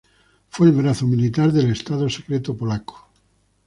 Fue el brazo militar del Estado Secreto Polaco.